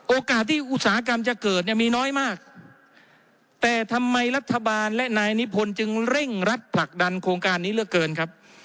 โอกาสที่อุตสาหกรรมจะเกิดเนี่ยมีน้อยมากแต่ทำไมรัฐบาลและนายนิพนธ์จึงเร่งรัดผลักดันโครงการนี้เหลือเกินครับ